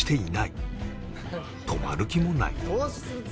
泊まる気もない